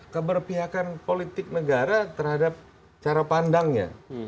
keberpihakan politik negara terhadap cara pandangnya